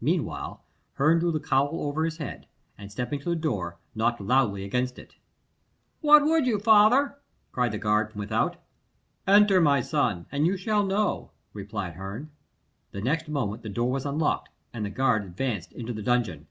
Meanwhile Herne drew the cowl over his head, and stepping to the door, knocked loudly against it. "What would you, father?" cried the guard from without. "Enter, my son, and you shall know," replied Herne. The next moment the door was unlocked, and the guard advanced into the dungeon.